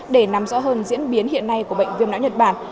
để nắm rõ hơn diễn biến hiện nay của bệnh viêm não nhật bản